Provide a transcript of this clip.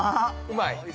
うまい？